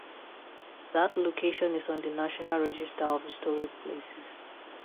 That location is on the National Register of Historic Places.